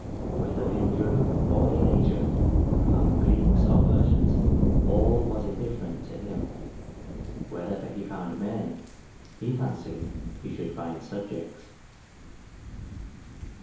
Whether in Europe or in Asia, among Greeks or Persians, all was indifferent to him: wherever he found men, he fancied he should find subjects.'